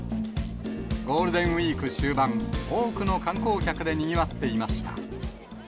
ゴールデンウィーク終盤、多くの観光客でにぎわっていました。